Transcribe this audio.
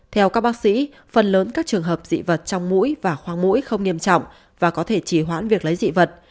theo các bác sĩ phần lớn các trường hợp dị vật trong mũi và khoang mũi không nghiêm trọng và có thể chỉ hoãn việc lấy dị vật